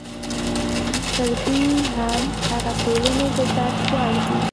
تر دوی هم هغه ټولنې د درد وړ دي.